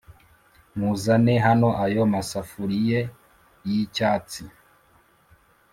Muzane hano ayo Ma safuriye yi cyatsi